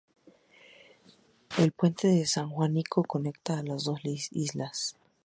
El puente de San Juanico conecta las dos islas.